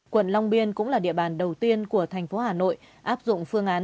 quận long biên cũng là địa bàn đầu tiên của thành phố hà nội áp dụng phương án